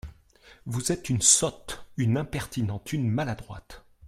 Vous êtes une sotte ! une impertinente ! une maladroite !